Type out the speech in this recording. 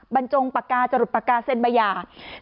บรรจงปากกาจรุดปากกาเซ็นบายา